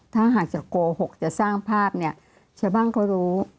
ถ้าหากจะโกหกจะสร้างภาพบางคนก็รู้